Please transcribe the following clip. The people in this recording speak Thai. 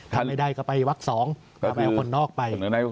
ถ้าไม่ได้ก็ไปวัก๒ไปเอาคนนอกไป